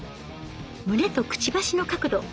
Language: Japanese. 胸とくちばしの角度